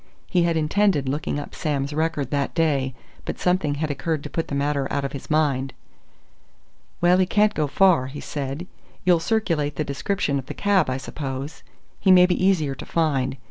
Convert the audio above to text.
He had intended looking up Sam's record that day, but something had occurred to put the matter out of his mind. "Well, he can't go far," he said. "You'll circulate the description of the cab, I suppose? He may be easier to find.